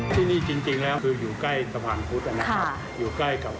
ที่นี่จริงแล้วจะอยู่ใกล้สะพานฟุะแล้วนะอยู่ใกล้กับ